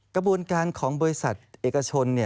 กระบวนการของบริษัทเอกชน